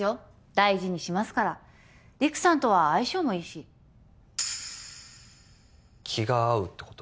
大事にしますから陸さんとは相性もいいし気が合うってこと？